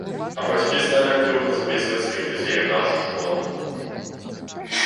А бацькі сталі актыўна запісваць сваіх дзяцей у нашу школу.